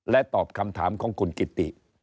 ตอบคำถามของคุณกิติ